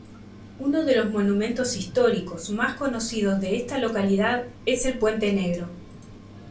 Uno de los monumentos históricos más conocidos de esta localidad es el Puente Negro.